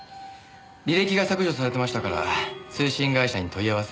履歴が削除されてましたから通信会社に問い合わせましたら。